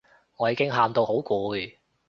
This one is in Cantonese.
我已經喊到好攰